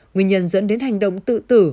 nguyên nhân dẫn đến hành động tự tử